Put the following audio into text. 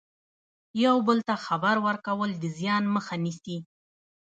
یو بل ته خبر ورکول د زیان مخه نیسي.